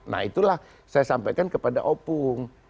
nah itulah saya sampaikan kepada opung